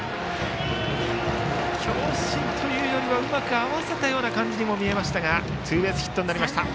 強振というよりはうまく合わせた感じに見えましたがツーベースヒットになりました。